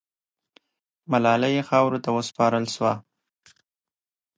ملالۍ خاورو ته وسپارل سوه.